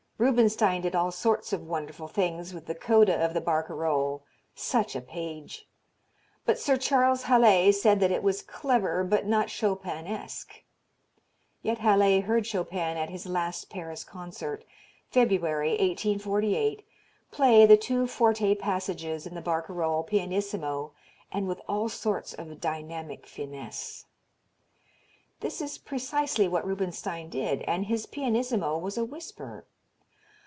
Rubinstein did all sorts of wonderful things with the coda of the Barcarolle such a page! but Sir Charles Halle said that it was "clever but not Chopinesque." Yet Halle heard Chopin at his last Paris concert, February, 1848, play the two forte passages in the Barcarolle "pianissimo and with all sorts of dynamic finesse." This is precisely what Rubinstein did, and his pianissimo was a whisper.